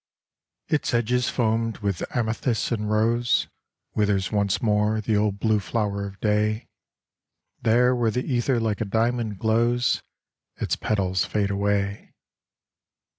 ITS edges foamed with amethyst and rose, Withers once more the old blue flower of day : There where the ether like a diamond glows Its petals fade away.